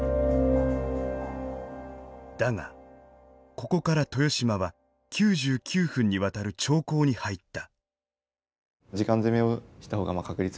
だがここから豊島は９９分にわたる長考に入った。